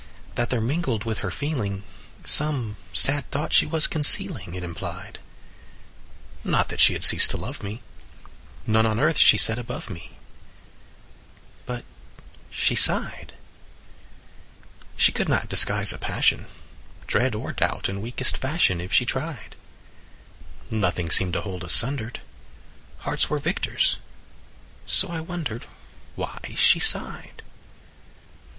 That there mingled with her feeling Some sad thought she was concealing It implied. —Not that she had ceased to love me, None on earth she set above me; But she sighed. She could not disguise a passion, Dread, or doubt, in weakest fashion If she tried: Nothing seemed to hold us sundered, Hearts were victors; so I wondered Why she sighed.